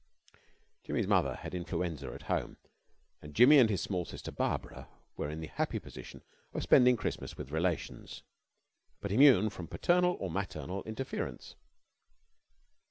Jimmy's mother had influenza at home, and Jimmy and his small sister Barbara were in the happy position of spending Christmas with relations, but immune from parental or maternal interference.